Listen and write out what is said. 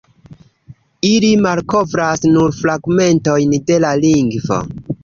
Ili malkovras nur fragmentojn de la lingvo.